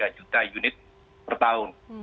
tiga juta unit per tahun